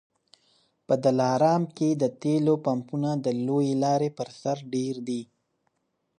په دلارام کي د تېلو پمپونه د لويې لارې پر سر ډېر دي